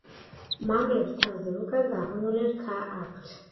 მამლებს თავზე უკან გაღუნული რქა აქვთ.